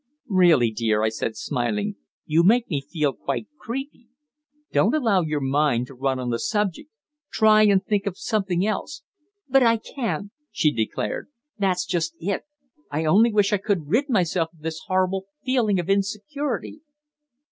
"Really, dear," I said, smiling, "you make me feel quite creepy. Don't allow your mind to run on the subject. Try and think of something else." "But I can't," she declared. "That's just it. I only wish I could rid myself of this horrible feeling of insecurity."